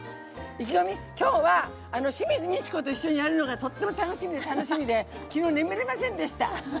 きょうは清水ミチコと一緒にやるのがとっても楽しみで楽しみで昨日眠れませんでした。